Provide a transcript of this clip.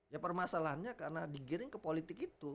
ya permasalahannya karena digiring ke politik itu